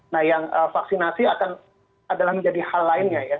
nah yang vaksinasi akan adalah menjadi hal lainnya ya